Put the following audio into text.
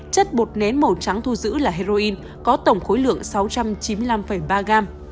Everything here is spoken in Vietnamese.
chất bột nén màu trắng thu giữ là heroin có tổng khối lượng sáu trăm chín mươi năm ba gram